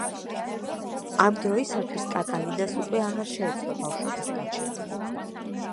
ამ დროისათვის კატალინას უკვე აღარ შეეძლო ბავშვების გაჩენა.